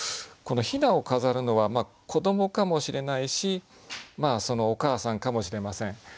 この「雛を飾る」のは子どもかもしれないしお母さんかもしれません。